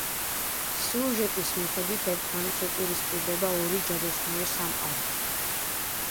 სიუჟეტის მიხედვით, ერთმანეთს უპირისპირდება ორი ჯადოსნური სამყარო.